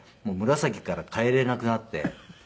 もう紫から変えれなくなって。